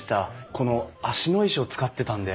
この芦野石を使ってたんで。